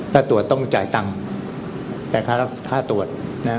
ถ้าตรวจต้องจ่ายตังค์แต่ค่าตรวจนะฮะ